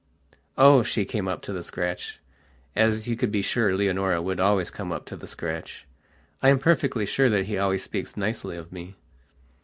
"Oh," she came up to the scratch, as you could be sure Leonora would always come up to the scratch, "I am perfectly sure that he always speaks nicely of me."